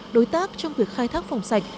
đối tác trong việc khai thác phòng sạch